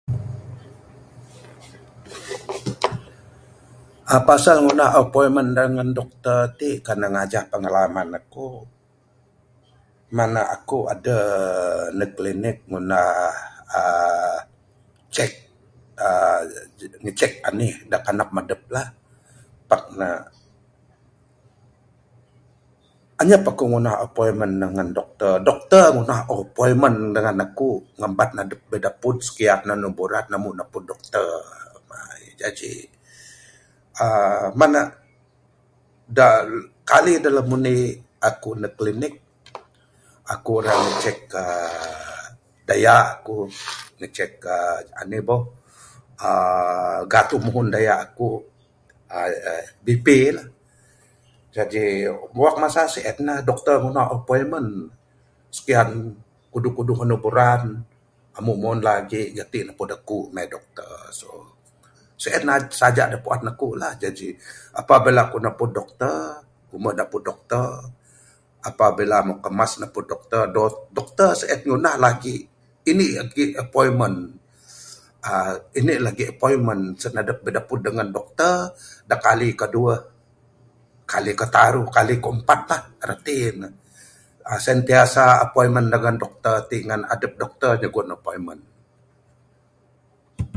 aaa pasal ngundah appointment dengan doktor ti kan ne ngajah pengalaman aku meng nak aku adeh ndek klinik ngundah aaa cek aaa ngicek anih dak kendam adeplah. Pak ne inyap aku ngundah appointment dengan doktor, doktor ngundah appointment dengan aku ngeban adep bideput sekian andu buran amu neput doktor maeh. Jaji aaa mangnak dak kali dak no indi aku ndek klinik aku ira ngicek aaa deya ku ngicek aaa enih boh aaa gatuh muhun deya aku aaa BP lah. Jaji wang masa sienlah mah doktor ngundah appointment sekian kuduh-kuduh andu buran amu muhun lagi geti neput aku maeh boh doktor, so sien saja dak puan aku lah. Jaji pabila ku neput doktor, ku moh neput doktor apabila moh kemas naput doktor sien mah ngundah lagi Indi lagi appointment aaa Indi lagi appointment sien dep bideput dengan doktor dak kali ke duweh, kali ketaruh, kali ke empat la reti nek aaa sentiasa appointment dengan doktor ti ngan adep doktor nyugon appointment.